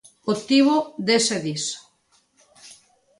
Obtivo dez edís.